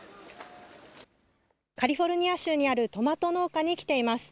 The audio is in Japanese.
カリフォルニア州にあるトマト農家に来ています。